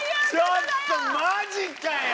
ちょっとマジかよ！